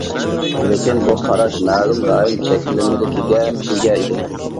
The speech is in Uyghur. لېكىن، بۇ قاراش مەلۇم رايون چەكلىمىلىكىگە ئىگە ئىدى.